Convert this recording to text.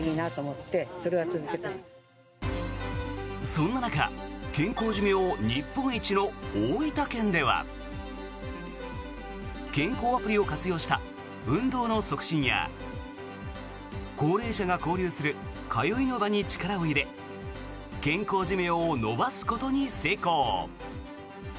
そんな中、健康寿命日本一の大分県では健康アプリを活用した運動の促進や高齢者が交流する通いの場に力を入れ健康寿命を延ばすことに成功。